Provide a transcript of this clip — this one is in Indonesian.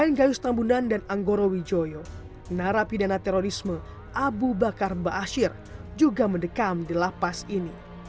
pertama di kustus tambunan dan anggora wijoyo narapidana terorisme abu bakar baasir juga mendekam di lapas ini